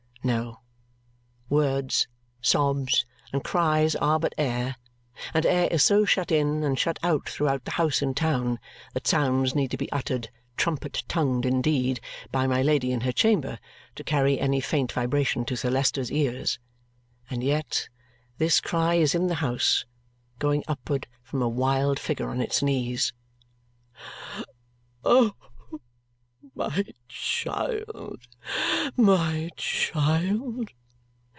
No. Words, sobs, and cries are but air, and air is so shut in and shut out throughout the house in town that sounds need be uttered trumpet tongued indeed by my Lady in her chamber to carry any faint vibration to Sir Leicester's ears; and yet this cry is in the house, going upward from a wild figure on its knees. "O my child, my child!